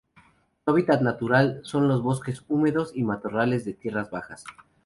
Su hábitat natural son los bosques húmedos y matorrales de tierras bajas.